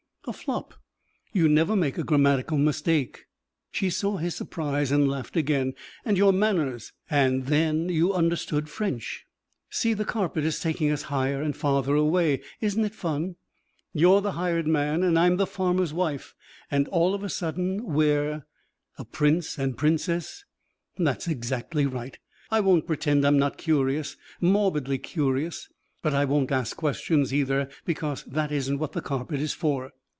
"A flop. You never make a grammatical mistake." She saw his surprise and laughed again. "And your manners and, then, you understood French. See the carpet is taking us higher and farther away. Isn't it fun! You're the hired man and I'm the farmer's wife and all of a sudden we're " "A prince and princess?" "That's exactly right. I won't pretend I'm not curious morbidly curious. But I won't ask questions, either, because that isn't what the carpet is for."